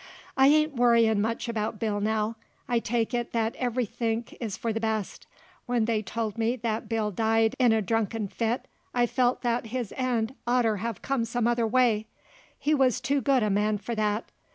I ain't worryin' much about Bill now; I take it that everythink is for the best. When they told me that Bill died in a drunken fit I felt that his end oughter have come some other way, he wuz too good a man for that.